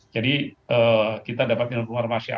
jadi kita dapat informasi awal